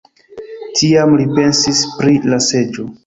Tiam li pensis pri la seĝo.